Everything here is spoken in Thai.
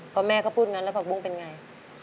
เพราะแม่เค้าพูดงั้นแล้วภักบุ้งเป็นอย่างไร